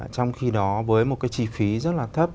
trong khi đó với một cái chi phí rất là thấp